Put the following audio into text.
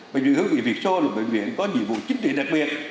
bệnh viện hữu nghị việt sô là một bệnh viện có nhiệm vụ chính trị đặc biệt